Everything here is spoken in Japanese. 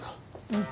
うん。